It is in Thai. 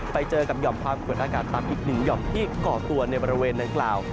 ไปเจอกับหย่อมความกดอากาศต่ำอีกหนึ่งหย่อมที่ก่อตัวในบริเวณดังกล่าว